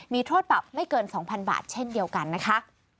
มีโทษปรับไม่เกิน๒๐๐๐บาทเช่นเดียวกันนะคะ